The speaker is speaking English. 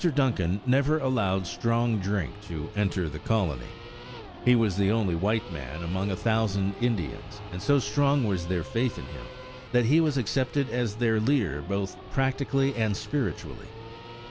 Duncan never allowed strong drink to enter the colony; he was the only white man among a thousand Indians, and so strong was their faith in him that he was accepted as their leader both practically and spiritually.